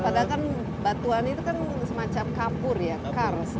padahal kan batuan itu kan semacam kapur ya kars